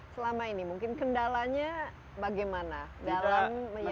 selama ini mungkin kendalanya bagaimana dalam menjaga